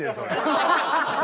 ハハハハ！